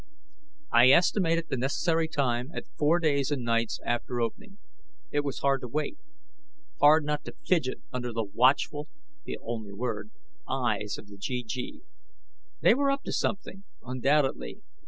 I estimated the necessary time at four days and nights after opening. It was hard to wait, hard not to fidget under the watchful the only word eyes of the GG. They were up to something, undoubtedly.